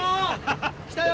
来たよ。